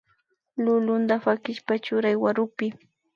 Lulunta pakishpa churay warukpi